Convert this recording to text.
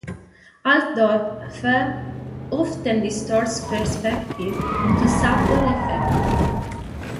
Altdorfer often distorts perspective to subtle effect.